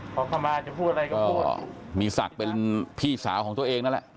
ก็มีศักดิ์เป็นพี่สาวของตัวเองนั่นแหละ